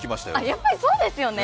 やっぱりそうですよね。